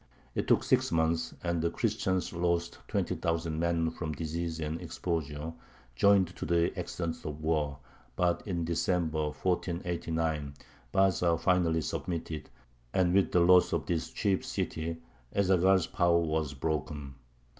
It took six months, and the Christians lost twenty thousand men from disease and exposure, joined to the accidents of war; but in December, 1489, Baza finally submitted, and with the loss of this chief city Ez Zaghal's power was broken.